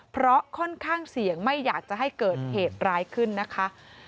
เพราะค่อนข้างเสี่ยงไม่อยากจะให้เกิดเหตุร้ายขึ้นนะคะ